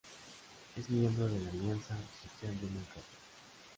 Es miembro de la Alianza Socialdemócrata.